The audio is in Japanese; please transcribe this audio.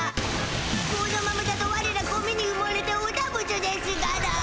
このままだとワレらゴミにうもれておだぶつでしゅがな。